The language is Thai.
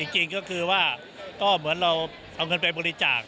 จริงก็คือว่าก็เหมือนเราเอาเงินไปบริจาค